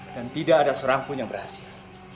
dan tidak ada seorang pun yang berhasil